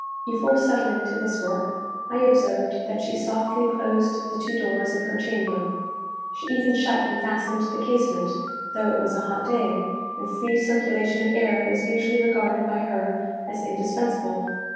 Before settling to this work, I observed that she softly closed the two doors of her chamber; she even shut and fastened the casement, though it was a hot day, and free circulation of air was usually regarded by her as indispensable.